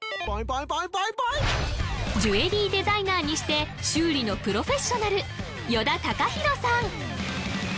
ジュエリーデザイナーにして修理のプロフェッショナル依田宇弘さん